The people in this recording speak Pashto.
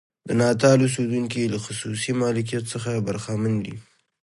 د ناتال اوسېدونکي له خصوصي مالکیت څخه برخمن دي.